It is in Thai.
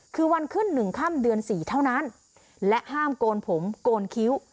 คือวันขึ้นหนึ่งค่ำเดือน๔เท่านั้นและห้ามโกนผมโกนคิ้ว